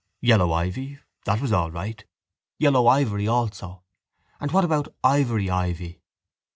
Yellow ivy; that was all right. Yellow ivory also. And what about ivory ivy?